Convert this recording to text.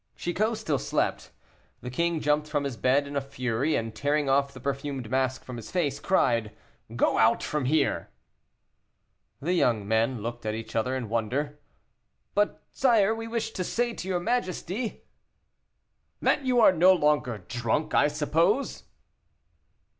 Chicot still slept. The king jumped from his bed in a fury, and tearing off the perfumed mask from his face, cried, "Go out from here." The young men looked at each other in wonder. "But, sire, we wished to say to your majesty " "That you are no longer drunk, I suppose."